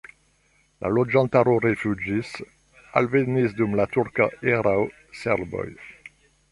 La loĝantaro rifuĝis, alvenis dum la turka erao serboj.